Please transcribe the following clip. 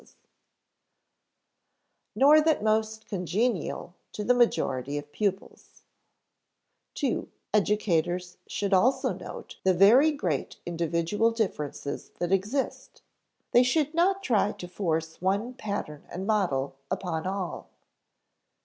[Sidenote: Nor that most congenial to the majority of pupils] (ii) Educators should also note the very great individual differences that exist; they should not try to force one pattern and model upon all.